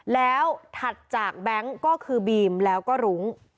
แล้วถัดจากแบงค์ก็คือบีมแล้วก็รุ้ง